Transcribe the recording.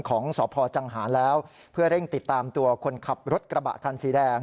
ของสพจังหารแล้วเพื่อเร่งติดตามตัวคนขับรถกระบะคันสีแดง